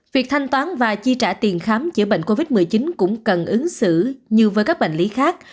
việc thanh toán và chi trả tiền khám chữa bệnh covid một mươi chín cũng cần ứng xử như với các bệnh lý khác